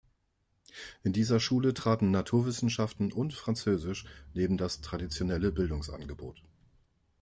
In dieser Schule traten Naturwissenschaften und Französisch neben das traditionelle Bildungsangebot.